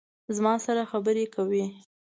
زما سره خبرې کوي